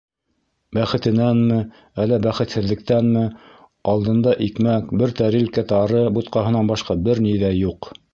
Бәхетенәнме, әллә бәхетһеҙлектәнме, алдында икмәк, бер тәрилкә тары бутҡаһынан башҡа бер ни ҙә юҡ.